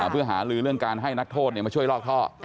เพื่อหาลือเรื่องการให้นักโทษมาช่วยลอกท่อ